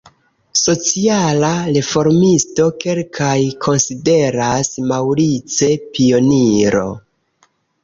Sociala reformisto, kelkaj konsideras Maurice pioniro.